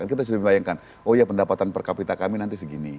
kita sudah membayangkan oh ya pendapatan per kapita kami nanti segini